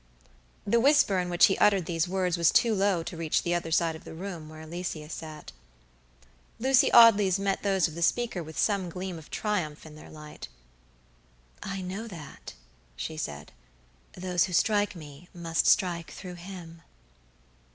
The whisper in which he uttered these words was too low to reach the other side of the room, where Alicia sat. Lucy Audley's eyes met those of the speaker with some gleam of triumph in their light. "I know that," she said. "Those who strike me must strike through him."